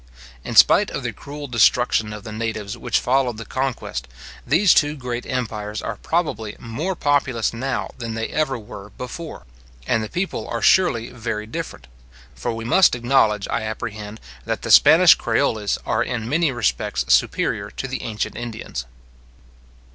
In spite of the cruel destruction of the natives which followed the conquest, these two great empires are probably more populous now than they ever were before; and the people are surely very different; for we must acknowledge, I apprehend, that the Spanish creoles are in many respects superior to the ancient Indians.